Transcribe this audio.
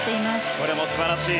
これも素晴らしい。